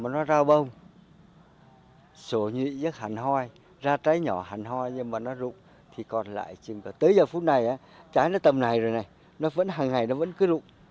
nó rao bông sổ nhị dứt hành hoi ra trái nhỏ hành hoi nhưng mà nó rụng thì còn lại chừng cả tới giờ phút này trái nó tầm này rồi này nó vẫn hằng ngày nó vẫn cứ rụng